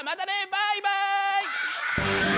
バイバイ！